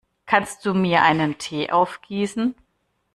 Kannst du mir einen Tee aufgießen?